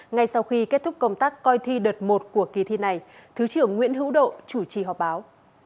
ngay sau khi kết thúc công tác coi thi đợt một của kỳ thi này thứ trưởng nguyễn hữu độ chủ trì họp báo